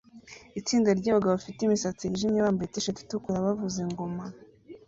Itsinda ryabagabo bafite imisatsi yijimye bambaye t-shati itukura bavuza ingoma